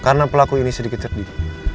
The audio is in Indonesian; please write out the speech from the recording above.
karena pelaku ini sedikit cerdik